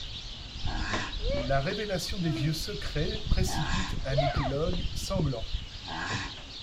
La révélation des vieux secrets précipite un épilogue sanglant.